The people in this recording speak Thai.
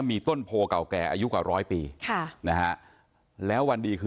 มีต้นโภเส